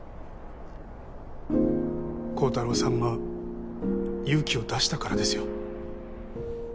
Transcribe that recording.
幸太郎さんが勇気を出したからですよ。